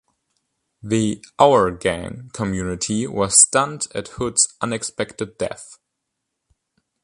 The "Our Gang" community was stunned at Hood's unexpected death.